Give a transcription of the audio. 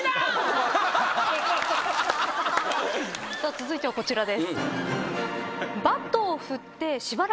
続いてはこちらです。